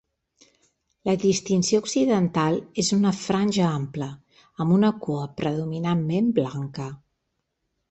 La distinció occidental és una franja ampla, amb una cua predominantment blanca.